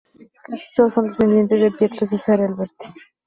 Casi todos son descendientes de Pietro Cesare Alberti.